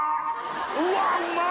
うわうまっ！